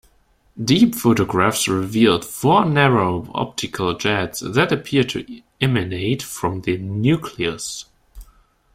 Deep photographs revealed four narrow optical jets that appear to emanate from the nucleus.